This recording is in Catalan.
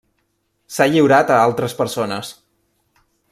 S'ha lliurat a altres persones.